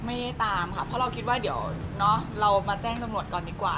ไม่ได้ตามค่ะเพราะเราคิดว่าเดี๋ยวเนอะเรามาแจ้งตำรวจก่อนดีกว่า